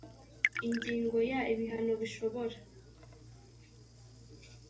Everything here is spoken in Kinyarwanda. Ingingo ya ibihano bishobora